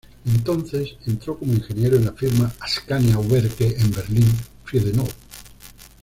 Entonces entró como ingeniero en la firma Askania-Werke en Berlin-Friedenau.